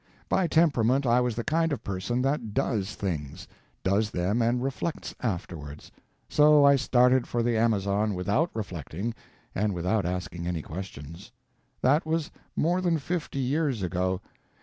By temperament I was the kind of person that DOES things. Does them, and reflects afterward. So I started for the Amazon without reflecting and without asking any questions. That was more than fifty years ago.